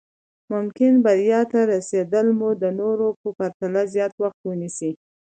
ممکن بريا ته رسېدل مو د نورو په پرتله زیات وخت ونيسي.